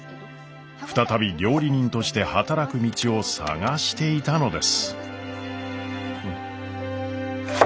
再び料理人として働く道を探していたのです。